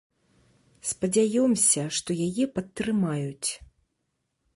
Спадзяёмся, што яе падтрымаюць.